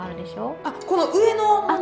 あっこの上のもの？